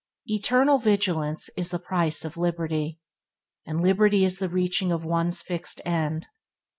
"Eternal vigilance is the price of liberty", and liberty is the reaching of one's fixed end.